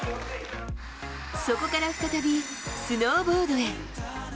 そこから再び、スノーボードへ。